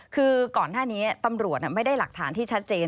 คือก่อนหน้านี้ตำรวจไม่ได้หลักฐานที่ชัดเจน